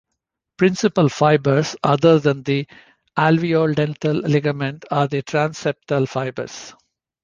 Principal fibers other than the alveolodental ligament are the transseptal fibers.